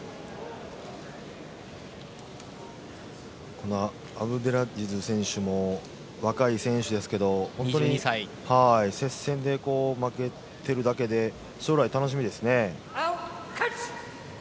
このアブデラジズ選手も若い選手ですけど本当に接戦で負けてるだけで将来が楽しみですね。